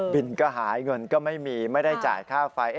บินก็หายเงินก็ไม่มีไม่ได้จ่ายค่าไฟ